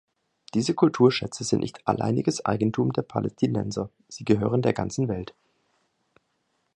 Diese Kulturschätze sind nicht alleiniges Eigentum der Palästinenser, sie gehören der ganzen Welt.